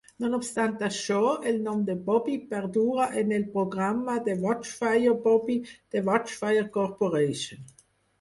No obstant això, el nom de Bobby perdura en el programa de Watchfire Bobby de Watchfire Corporation.